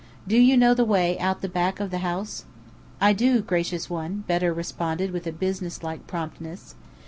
Do you know the way out at the back of the house?" "I do, gracious one," Bedr responded with businesslike promptness.